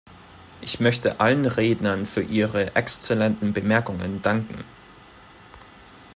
Ich möchte allen Rednern für ihre exzellenten Bemerkungen danken.